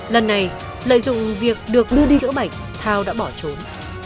lần này lợi dụng việc được đưa đi chữa bệnh thao đã bỏ trốn